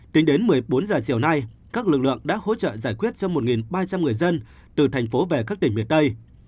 tính đến một mươi bốn h chiều nay các lực lượng đã hỗ trợ giải quyết cho một ba trăm linh người dân từ thành phố về các tỉnh miền tây